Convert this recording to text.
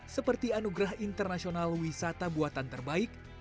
seperti anugerah internasional wisata buatan terbaik